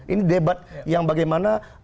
ini debat yang bagaimana